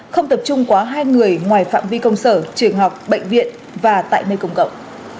không tập trung quá hai người ngoài phạm vi công sở trường học bệnh viện và tại nơi công cộng